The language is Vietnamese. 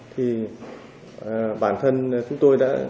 thì bản thân chúng tôi đã